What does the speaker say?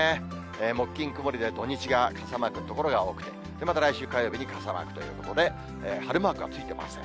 木、金、曇りで土日が傘マークの所が多くて、また来週火曜日に傘マークということで、晴れマークがついてません。